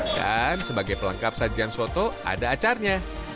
dan sebagai pelengkap sajian soto ada acarnya